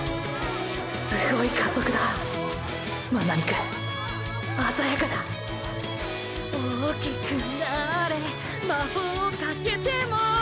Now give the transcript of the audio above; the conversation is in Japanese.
すごい加速だ真波くんあざやかだ「大きくなあれ魔法かけても」